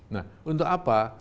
nah untuk apa